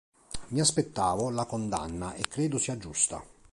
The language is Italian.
Mi aspettavo la condanna e credo sia giusta.